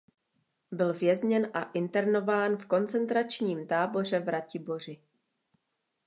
Byl vězněn a internován v koncentračním táboře v Ratiboři.